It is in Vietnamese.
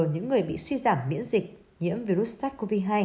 những người bị suy giảm miễn dịch nhiễm virus sars cov hai